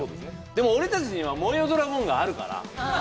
でも俺たちには「燃えよドラゴン」があるから。